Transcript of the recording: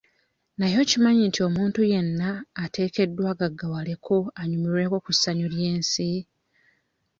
Naye okimanyi nti omuntu yenna ateekeddwa agaggawaleko anyumirweko ku ssanyu ly'ensi?